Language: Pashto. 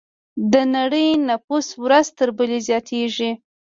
د نړۍ نفوس ورځ تر بلې زیاتېږي.